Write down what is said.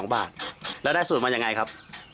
บาทแล้วได้สูตรมันอย่างไรครับ